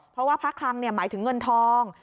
เพราะว่าพระคลังหมายถึงเงินทอง